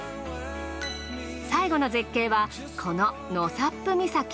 最後の絶景はこの納沙布岬。